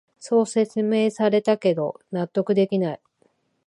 そう説明されたけど納得できない